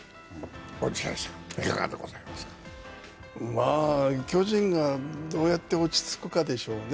まぁ、巨人がどうやって落ち着くかでしょうね。